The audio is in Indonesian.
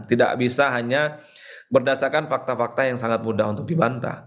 tidak bisa hanya berdasarkan fakta fakta yang sangat mudah untuk dibantah